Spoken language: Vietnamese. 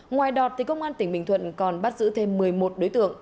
ngoài đọt công an tỉnh bình thuận còn bắt giữ thêm một mươi một đối tượng